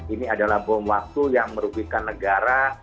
ini adalah bom waktu yang merugikan negara